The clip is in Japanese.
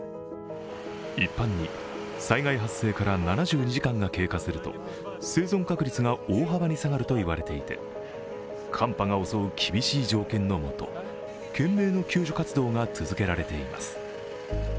一般に、災害発生から７２時間が経過すると生存確率が大幅に下がるといわれていて寒波が襲う厳しい条件のもと、懸命の救助活動が続けられています。